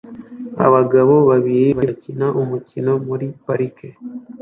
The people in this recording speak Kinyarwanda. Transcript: Abagabo babiri bakina umukino muri parike